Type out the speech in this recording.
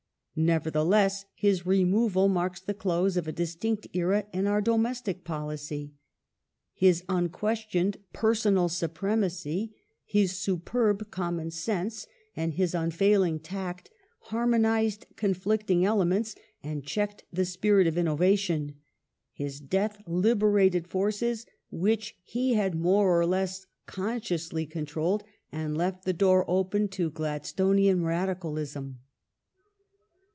Nevertheless, his removal marks the close of a / distinct era in our domestic history. His unquestioned personal supremacy, his superb common sense and his unfailing tact har monized conflicting elements and checked the spirit of innova tion. His death liberated forces which he had more or less consciously controlled, and left the door open to Gladstonian radicalism.